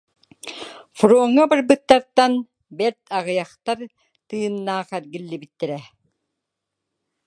Фроҥҥа барбыттартан бэрт аҕыйахтар тыыннаах эргиллибиттэрэ.